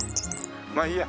まあいいや。